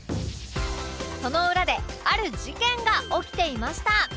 その裏である事件が起きていました